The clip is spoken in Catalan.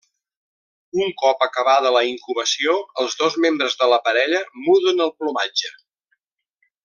Un cop acabada la incubació, els dos membres de la parella muden el plomatge.